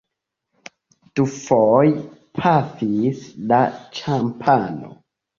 Dufoje pafis la ĉampano.